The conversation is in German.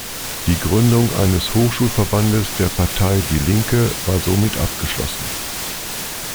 Die Gründung eines Hochschulverbandes der Partei Die Linke war somit abgeschlossen.